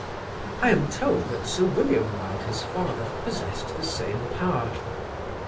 (I am told that Sir William Wilde, his father, possessed the same power.)